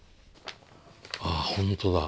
ああ本当だ。